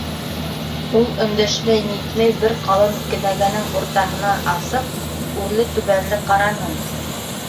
Ул өндәшмәй-нитмәй бер ҡалын кенәгәнең уртаһынан асып, үрле-түбәнле ҡараны.